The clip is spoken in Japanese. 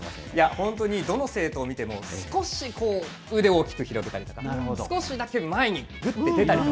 本当に、どの生徒を見ても、少しこう、腕を大きく広げたりとか、少しだけ前にぐっと出たりとか。